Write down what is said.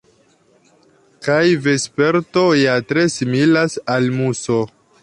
Kaj vesperto ja tre similas al muso.